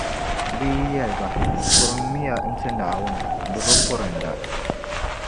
Bɛ yi yɛli ba: Kurummi ya n-ti Naawuni, bɛ bi kurinda.